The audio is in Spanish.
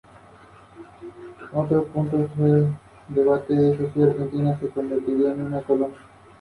Se encuentra antecedida por un pequeño ramal que sale desde la Estación Paraná.